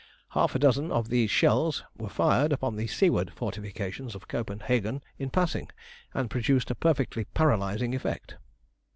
Half a dozen of these shells were fired upon the seaward fortifications of Copenhagen in passing, and produced a perfectly paralysing effect.